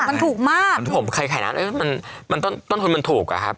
มันถูกมากผมใครขายร้านมันมันต้นต้นทุนมันถูกอะครับ